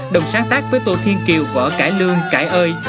đồng sáng tác với tô thiên kiều võ cải lương cải ơi